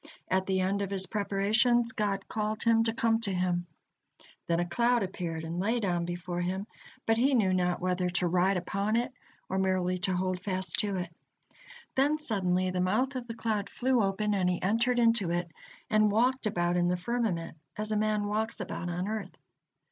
At the end of his preparations, God called him to come to Him. Then a cloud appeared and lay down before him, but he knew not whether to ride upon it or merely to hold fast to it. Then suddenly the mouth of the cloud flew open, and he entered into it, and walked about in the firmament as a man walks about on earth.